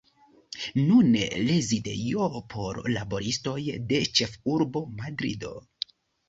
Nune rezidejo por laboristoj de ĉefurbo Madrido.